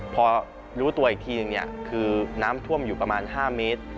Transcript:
พอรู้ตัวอีกทีนึงคือน้ำท่วมอยู่ประมาณ๕เมตร